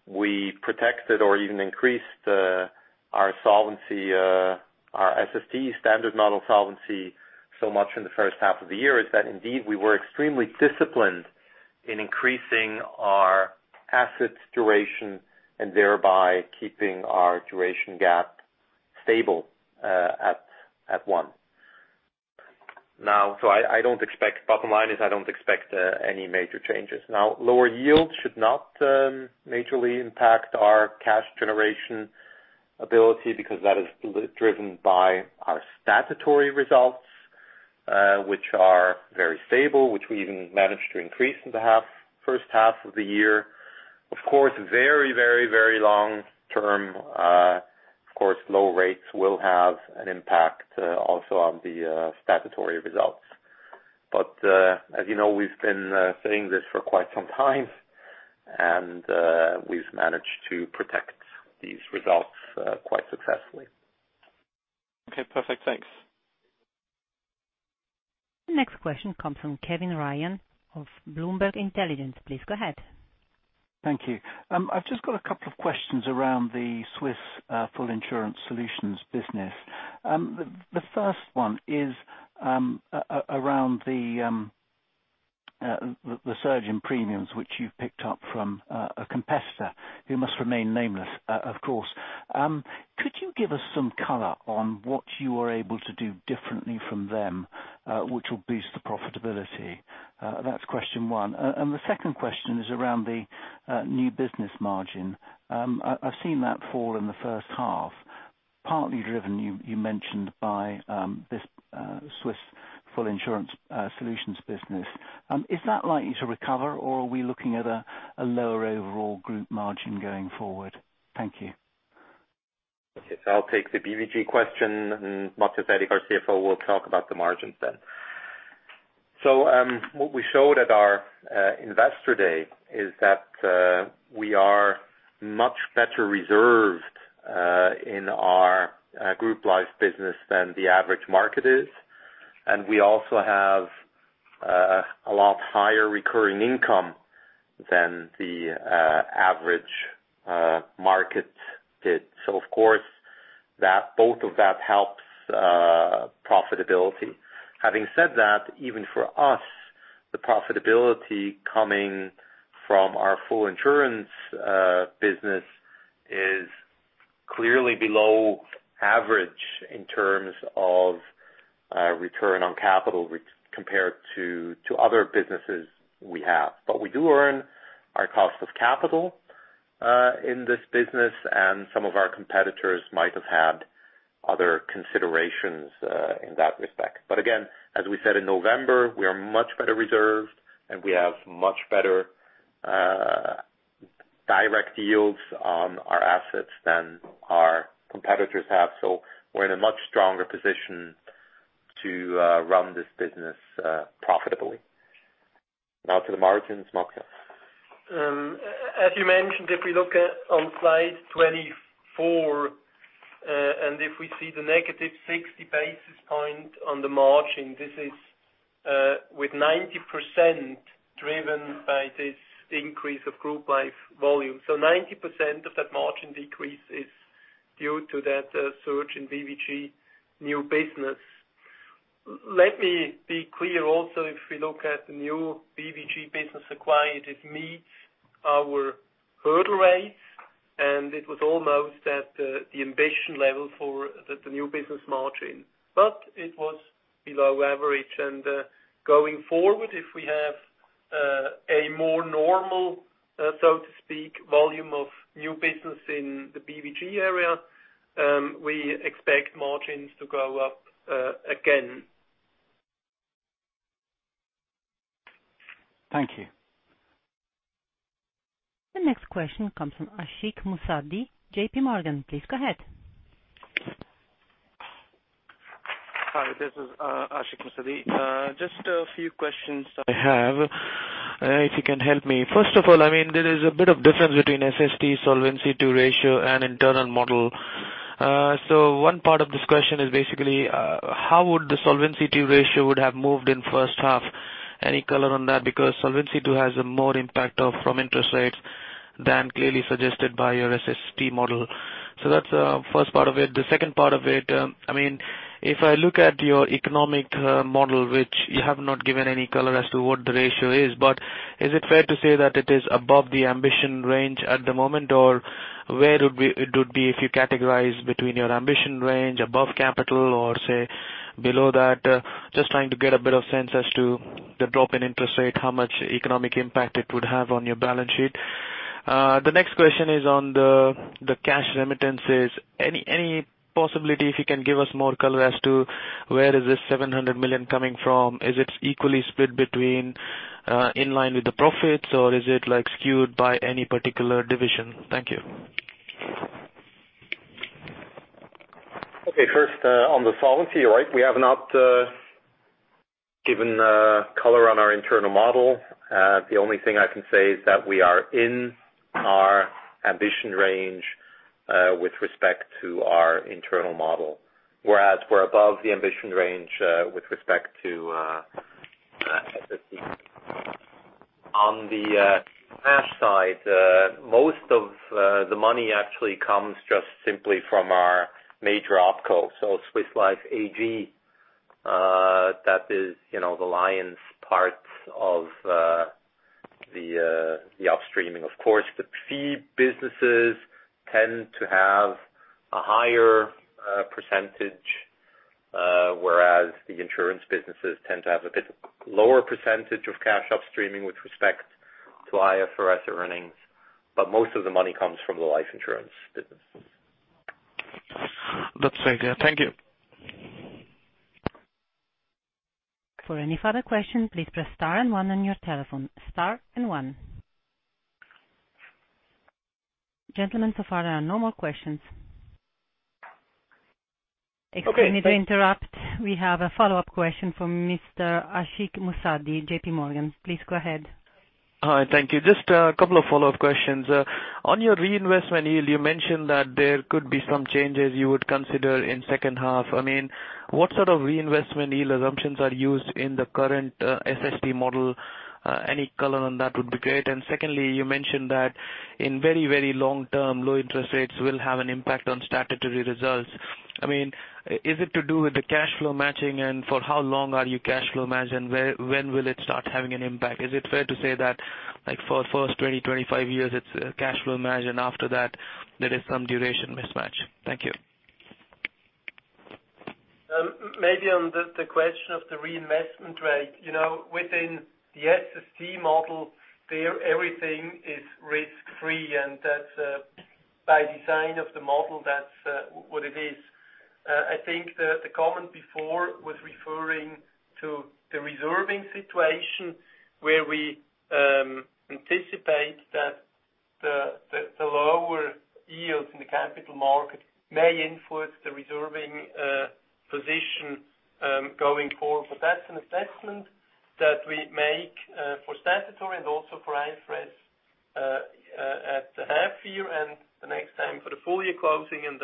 [SPEAKER 2] we protected or even increased our solvency, our SST standard model solvency so much in the first half of the year is that indeed, we were extremely disciplined in increasing our assets duration and thereby keeping our duration gap stable at one. Bottom line is I don't expect any major changes. Now, lower yields should not majorly impact our cash generation ability because that is driven by our statutory results, which are very stable, which we even managed to increase in the first half of the year. Of course, very long term, low rates will have an impact, also on the statutory results. As you know, we've been saying this for quite some time, and we've managed to protect these results quite successfully.
[SPEAKER 8] Okay, perfect. Thanks.
[SPEAKER 1] Next question comes from Kevin Ryan of Bloomberg Intelligence. Please go ahead.
[SPEAKER 9] Thank you. I've just got a couple of questions around the Swiss full insurance solutions business. The first one is around the surge in premiums, which you've picked up from a competitor who must remain nameless, of course. Could you give us some color on what you are able to do differently from them, which will boost the profitability? That's question one. The second question is around the new business margin. I've seen that fall in the first half, partly driven, you mentioned by this Swiss full insurance solutions business. Is that likely to recover or are we looking at a lower overall group margin going forward? Thank you.
[SPEAKER 2] I'll take the BVG question, and Matthias Aellig, our CFO, will talk about the margins. What we showed at our investor day is that we are much better reserved in our group life business than the average market is, and we also have a lot higher recurring income than the average market did. Of course, both of that helps profitability. Having said that, even for us, the profitability coming from our full insurance business is clearly below average in terms of return on capital compared to other businesses we have. We do earn our cost of capital, in this business, and some of our competitors might have had other considerations in that respect. Again, as we said in November, we are much better reserved, and we have much better direct yields on our assets than our competitors have. We're in a much stronger position to run this business profitably. Now to the margins, Matthias.
[SPEAKER 3] As you mentioned, if we look at on slide 24, if we see the negative 60 basis points on the margin, this is with 90% driven by this increase of group life volume. 90% of that margin decrease is due to that surge in BVG new business. Let me be clear also, if we look at the new BVG business acquired, it meets our hurdle rates, it was almost at the ambition level for the new business margin. It was below average. Going forward, if we have a more normal, so to speak, volume of new business in the BVG area, we expect margins to go up again.
[SPEAKER 9] Thank you.
[SPEAKER 1] The next question comes from Ashik Musaddi, JP Morgan, please go ahead.
[SPEAKER 10] Hi, this is Ashik Musaddi. Just a few questions I have, if you can help me. First of all, there is a bit of difference between SST Solvency II ratio and internal model. One part of this question is basically, how would the Solvency II ratio would have moved in the first half? Any color on that? Because Solvency II has more impact from interest rates than clearly suggested by your SST model. That's the first part of it. The second part of it, if I look at your economic model, which you have not given any color as to what the ratio is, but is it fair to say that it is above the ambition range at the moment? Where it would be if you categorize between your ambition range above capital or, say, below that? Just trying to get a bit of sense as to the drop in interest rate, how much economic impact it would have on your balance sheet. The next question is on the cash remittances. Any possibility if you can give us more color as to where is this 700 million coming from? Is it equally split between, in line with the profits, or is it skewed by any particular division? Thank you.
[SPEAKER 2] Okay. First, on the solvency, you're right. We have not given color on our internal model. The only thing I can say is that we are in our ambition range with respect to our internal model. Whereas we're above the ambition range with respect to SST. On the cash side, most of the money actually comes just simply from our major OpCo, so Swiss Life AG. That is the lion's part of the upstreaming. Of course, the fee businesses tend to have a higher percentage, whereas the insurance businesses tend to have a bit lower percentage of cash upstreaming with respect to IFRS earnings, but most of the money comes from the life insurance business.
[SPEAKER 10] That's very clear. Thank you.
[SPEAKER 1] For any further question, please press star and one on your telephone. Star and one. Gentlemen, so far there are no more questions.
[SPEAKER 2] Okay.
[SPEAKER 1] Excuse me to interrupt. We have a follow-up question from Mr. Ashik Musaddi, JP Morgan. Please go ahead.
[SPEAKER 10] Hi, thank you. Just a couple of follow-up questions. On your reinvestment yield, you mentioned that there could be some changes you would consider in second half. What sort of reinvestment yield assumptions are used in the current SST model? Any color on that would be great. Secondly, you mentioned that in very long term, low interest rates will have an impact on statutory results. Is it to do with the cash flow matching? For how long are you cash flow matched? When will it start having an impact? Is it fair to say that for the first 20, 25 years, it's cash flow match, and after that, there is some duration mismatch? Thank you.
[SPEAKER 3] Maybe on the question of the reinvestment rate. Within the SST model, everything is risk-free. That's by design of the model. That's what it is. I think the comment before was referring to the reserving situation where we anticipate that the lower yields in the capital market may influence the reserving position going forward. That's an assessment that we make for statutory and also for IFRS at the half year. The next time for the full year closing, and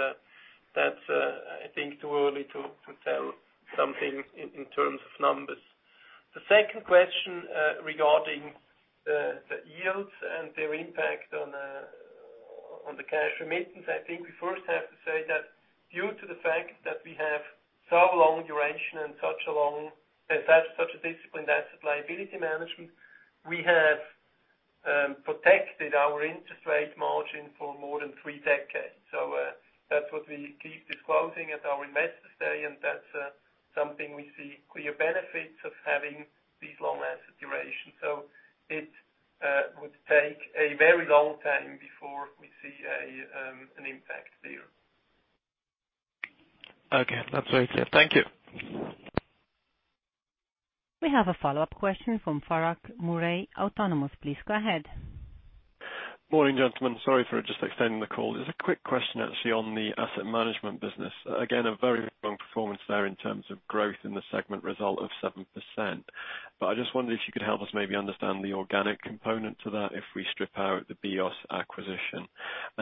[SPEAKER 3] that's, I think, too early to tell something in terms of numbers. The second question regarding the yields and their impact on the cash remittance. I think we first have to say that due to the fact that we have so long duration and such a disciplined asset liability management, we have protected our interest rate margin for more than three decades. That's what we keep disclosing at our investors day, and that's something we see clear benefits of having these long asset durations. It would take a very long time before we see an impact there.
[SPEAKER 10] Okay. That's very clear. Thank you.
[SPEAKER 1] We have a follow-up question from Farquhar Murray, Autonomous. Please go ahead.
[SPEAKER 6] Morning, gentlemen. Sorry for just extending the call. There is a quick question actually on the asset management business. Again, a very strong performance there in terms of growth in the segment result of 7%. I just wondered if you could help us maybe understand the organic component to that, if we strip out the BEOS acquisition.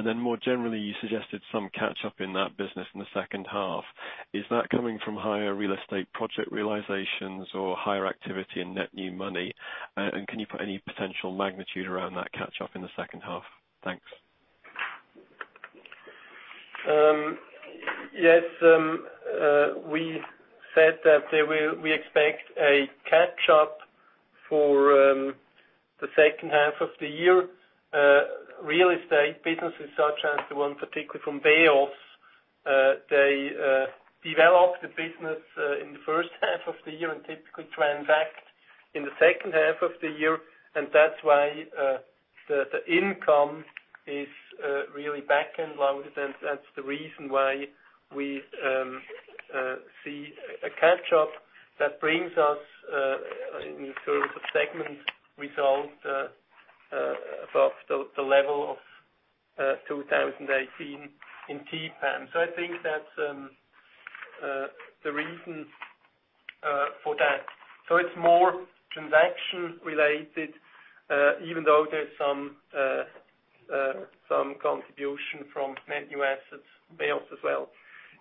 [SPEAKER 6] More generally, you suggested some catch-up in that business in the second half. Is that coming from higher real estate project realizations or higher activity in net new money? Can you put any potential magnitude around that catch-up in the second half? Thanks.
[SPEAKER 3] Yes. We said that we expect a catch-up for the second half of the year. Real estate businesses such as the one particularly from BEOS, they develop the business in the first half of the year and typically transact in the second half of the year. That's why the income is really back-end loaded, and that's the reason why we see a catch-up that brings us, in terms of segment result, above the level of 2018 in TPAM. I think that's the reason for that. It's more transaction-related, even though there's some contribution from net new assets, BEOS as well.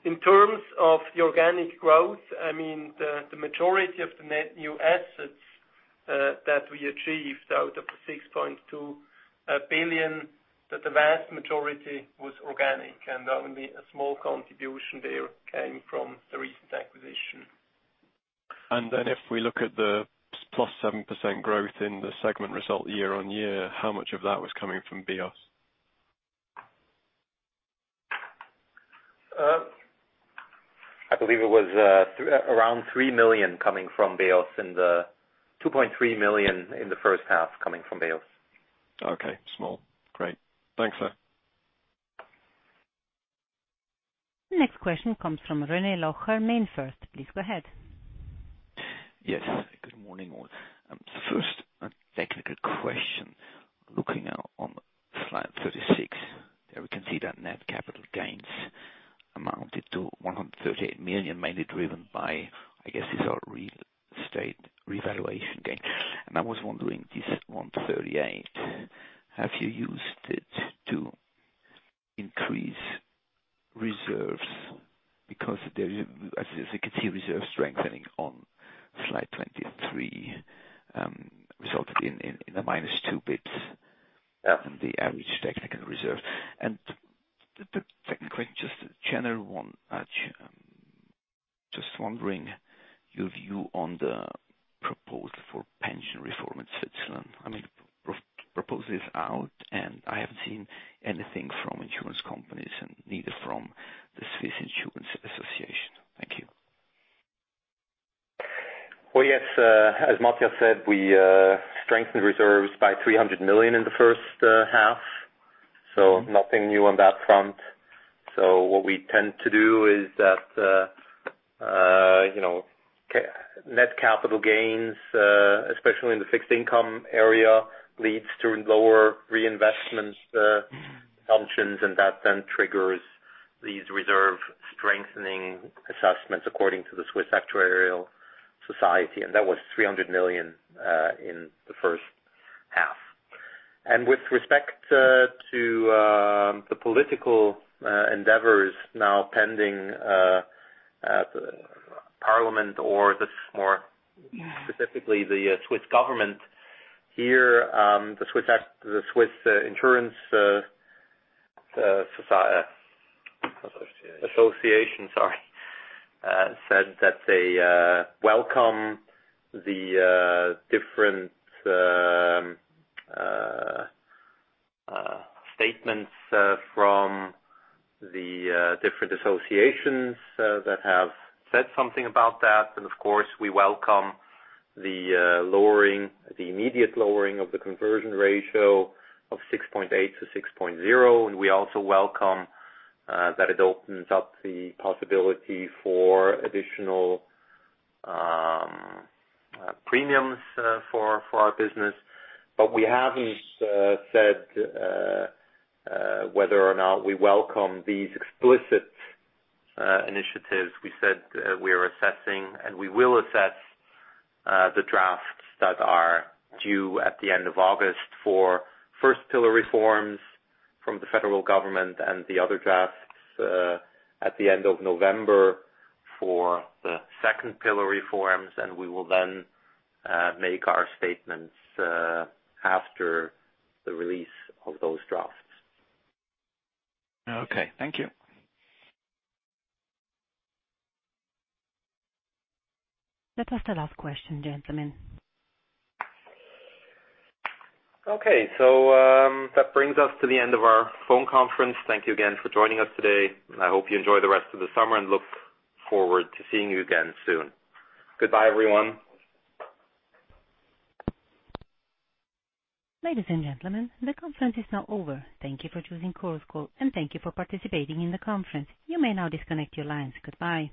[SPEAKER 3] In terms of the organic growth, the majority of the net new assets that we achieved out of the 6.2 billion, that the vast majority was organic, and only a small contribution there came from the recent acquisition.
[SPEAKER 6] If we look at the plus 7% growth in the segment result year-on-year, how much of that was coming from BEOS?
[SPEAKER 2] I believe it was around 3 million coming from BEOS, and the 2.3 million in the first half coming from BEOS.
[SPEAKER 6] Okay. Small. Great. Thanks.
[SPEAKER 1] Next question comes from René Locher, MainFirst. Please go ahead.
[SPEAKER 11] Yes. Good morning, all. First, a technical question. Looking out on slide 36, there we can see that net capital gains amounted to 138 million, mainly driven by, I guess it's our real estate revaluation gain. I was wondering, this 138, have you used it to increase reserves? Because I see reserve strengthening on slide 23 resulted in a minus two basis points on the average technical reserve. The second question, just a general one. Just wondering your view on the proposal for pension reform in Switzerland. The proposal is out, and I haven't seen anything from insurance companies and neither from the Swiss Insurance Association. Thank you.
[SPEAKER 2] Well, yes. As Matthias said, we strengthened reserves by 300 million in the first half, nothing new on that front. What we tend to do is that net capital gains, especially in the fixed income area, leads to lower reinvestment assumptions, and that then triggers these reserve strengthening assessments according to the Swiss Actuarial Society, and that was 300 million in the first half. With respect to the political endeavors now pending at parliament or more specifically, the Swiss government here, the Swiss Insurance Association said that they welcome the different statements from the different associations that have said something about that. Of course, we welcome the immediate lowering of the conversion ratio of 6.8 to 6.0. We also welcome that it opens up the possibility for additional premiums for our business. We haven't said whether or not we welcome these explicit initiatives. We said we are assessing, and we will assess the drafts that are due at the end of August for first pillar reforms from the federal government and the other drafts at the end of November for the second pillar reforms. We will then make our statements after the release of those drafts.
[SPEAKER 11] Okay. Thank you.
[SPEAKER 1] That was the last question, gentlemen.
[SPEAKER 2] Okay. That brings us to the end of our phone conference. Thank you again for joining us today, and I hope you enjoy the rest of the summer and look forward to seeing you again soon. Goodbye, everyone.
[SPEAKER 1] Ladies and gentlemen, the conference is now over. Thank you for choosing Chorus Call, and thank you for participating in the conference. You may now disconnect your lines. Goodbye.